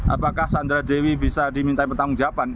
apakah sandra dewi bisa diminta pertanggung jawaban